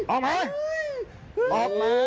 ออกมา